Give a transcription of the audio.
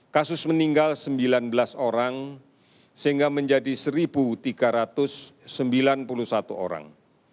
kasus meninggal sembilan belas orang sehingga menjadi satu tiga ratus sembilan puluh satu orang